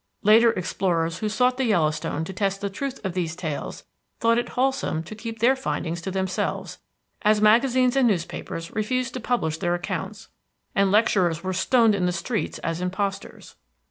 Later explorers who sought the Yellowstone to test the truth of these tales thought it wholesome to keep their findings to themselves, as magazines and newspapers refused to publish their accounts and lecturers were stoned in the streets as impostors.